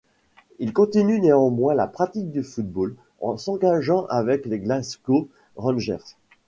Il continue néanmoins la pratique du football, en s'engageant avec les Glasgow Rangers.